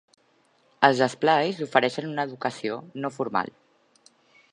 Els esplais ofereixen una educació no formal.